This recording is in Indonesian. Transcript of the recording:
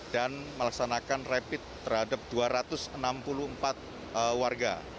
dan melaksanakan rapid terhadap dua ratus enam puluh empat warga